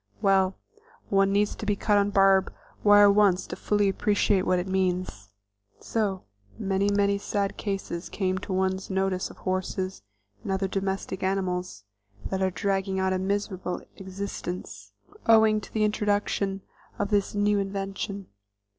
Well, one needs to be cut on a barb wire once to fully appreciate what it means. So many, many sad cases come to one's notice of horses and other domestic animals that are dragging out a miserable existence owing to the introduction of this "new invention."